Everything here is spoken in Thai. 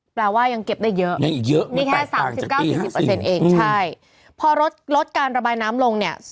แปลว่ายังเก็บได้เยอะนี่แค่๓๙๔๐เองใช่พอลดการระบายน้ำลงเนี่ย